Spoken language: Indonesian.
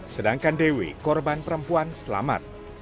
sedangkan dewi korban perempuan selamat